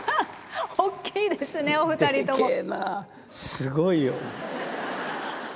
すごいよ。